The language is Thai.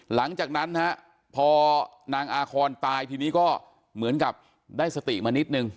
หลังจากนั้นฮะพอนางอาคอนตายทีนี้ก็เหมือนกับได้สติมานิดนึง